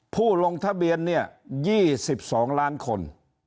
ผู้ลงทะเบียน๒๒ล้านคน